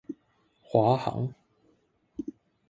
華航